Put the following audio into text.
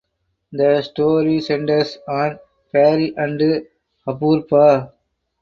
The story centers on Pari and Apurba.